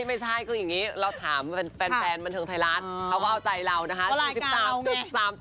ไม่ใช่คืออย่างนี้เราถามแฟนบันเทิงไทยรัฐเขาก็เอาใจเรานะคะ